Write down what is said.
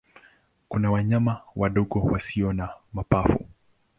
Kuna wanyama wadogo wasio na mapafu.